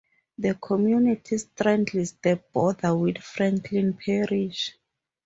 The community straddles the border with Franklin Parish.